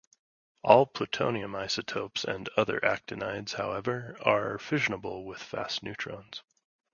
All plutonium isotopes and other actinides, however, are fissionable with fast neutrons.